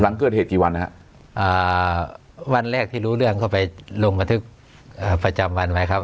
หลังเกิดเหตุกี่วันฮะวันแรกที่รู้เรื่องเข้าไปลงบันทึกประจำวันไว้ครับ